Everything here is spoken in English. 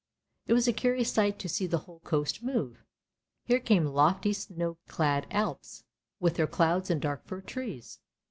It was a curious sight to see the whole coast move. Here came lofty snow clad Alps, with their clouds and dark fir trees.